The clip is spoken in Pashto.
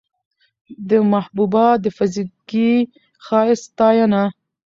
د محبوبا د فزيکي ښايست ستاينه